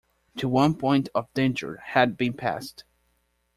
The one point of danger had been passed.